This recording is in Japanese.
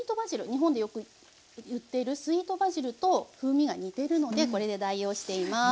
日本でよく売っているスイートバジルと風味が似てるのでこれで代用しています。